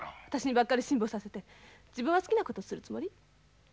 私にばっかり辛抱させて自分は好きな事するつもり？